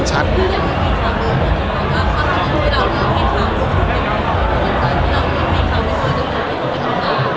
จริง